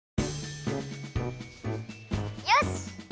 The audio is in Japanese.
よし！